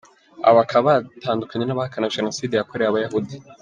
Abo bakaba badatandukanye n’abahakana Jenoside yakorewe Abayahudi.